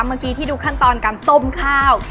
เมื่อกี้ที่ดูขั้นตอนการต้มข้าว